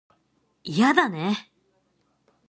いやだね